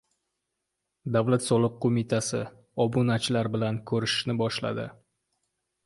Davlat soliq qo‘mitasi «obnalchilar» bilan kurashishni boshladi